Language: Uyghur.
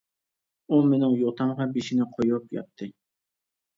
ئۇ مېنىڭ يوتامغا بېشىنى قويۇپ ياتتى.